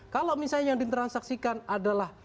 kalau misalnya yang ditransaksikan adalah